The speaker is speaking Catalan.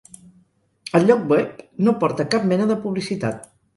El lloc web no porta cap mena de publicitat.